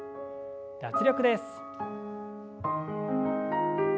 脱力です。